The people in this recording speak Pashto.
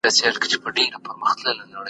کله چې کاغۍ وکغیده نو هغې ورته پام وکړ.